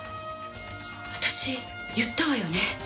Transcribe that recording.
私言ったわよね？